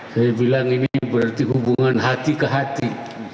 saya bilang ini berarti hubungan hati ke hati